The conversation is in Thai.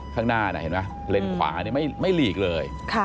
ข้างหน้านะเห็นไหมเลนขวานี่ไม่หลีกเลย